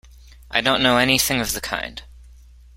I don't know anything of the kind.